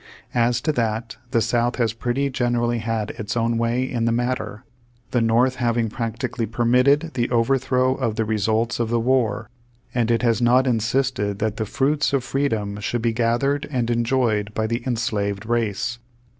As to that, the South has pretty generally had its own way in the matter, the North having prac tically permitted the overthrow of the results of the war, and it has not insisted that the fruits of freedom should be gathered and enjoyed by the enslaved race.